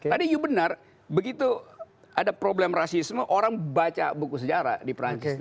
tadi you benar begitu ada problem rasisme orang baca buku sejarah di perancis